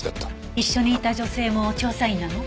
一緒にいた女性も調査員なの？